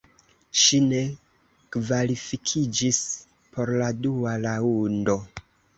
Ŝi ne kvalifikiĝis por la dua raŭndo.